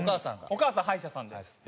お母さん歯医者さんです。